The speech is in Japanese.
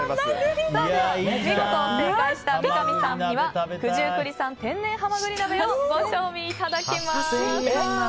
では、見事正解した三上さんには九十九里産「天然」はまぐり鍋をご賞味いただきます。